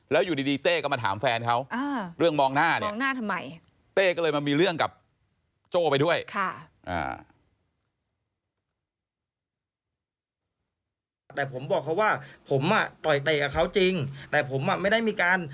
แล้วอยู่ดีเต้ก็มาถามแฟนเขาเรื่องมองหน้าเนี่ย